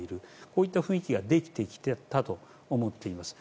こういった雰囲気ができてきたと思っています。